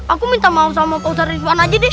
aku minta mau sama pak ustadz ridwan aja deh